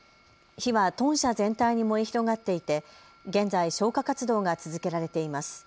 火は豚舎全体に燃え広がっていて現在消火活動が続けられています。